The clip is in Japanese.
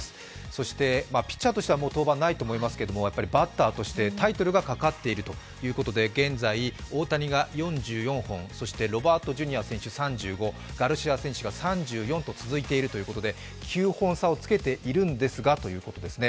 そしてピッチャーとしては登板はないと思いますけど、バッターとしてタイトルがかかっているということで現在、大谷が４４本、そしてロバートＪｒ．選手、３５、ガルシア選手が３４と続いているということで、９本差をつけているんですがということですね。